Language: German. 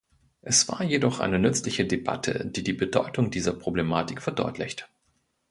Es war jedoch eine nützliche Debatte, die die Bedeutung dieser Problematik verdeutlicht.